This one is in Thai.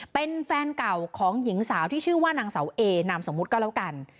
เป็นแฟนเก่าของหญิงสาวที่ชื่อว่านางเสาเอนามสมมุติก็แล้วกัน